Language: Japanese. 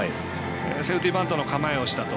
セーフティーバントの構えをしたと。